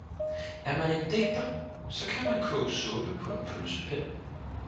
Er man en digter, saa kan man koge suppe paa en pølsepind